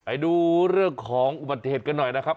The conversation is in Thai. ไปดูเรื่องของอุบัติเหตุกันหน่อยนะครับ